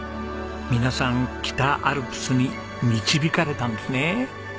皆さん北アルプスに導かれたんですね。